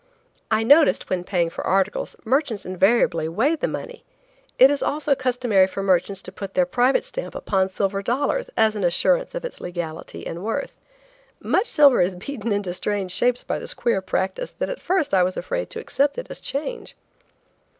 I noticed when paying for articles, merchants invariably weigh the money. It is also customary for merchants to put their private stamp upon silver dollars as an assurance of its legality and worth. Much silver is beaten into such strange shapes by this queer practice that at first I was afraid to accept it in change.